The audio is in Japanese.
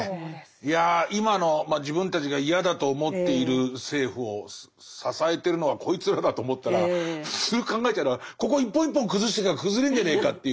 いや今の自分たちが嫌だと思っている政府を支えてるのはこいつらだと思ったら普通に考えたらここ一本一本崩していきゃ崩れんじゃねえかっていう。